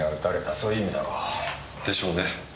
そういう意味だろう。でしょうね。